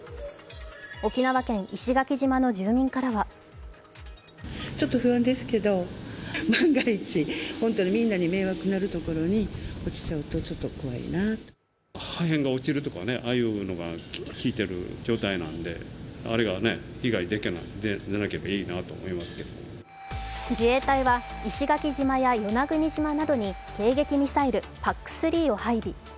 沖縄県石垣島の住民からは自衛隊は石垣島や与那国島などに迎撃ミサイル・ＰＡＣ３を配備。